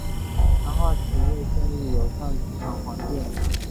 强化企业建立友善职场环境